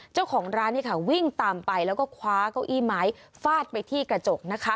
เจ้าของร้านวิ่งตามไปแล้วก็คว้าเก้าอี้ไม้ฟาดไปที่กระจกนะคะ